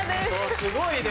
すごいね。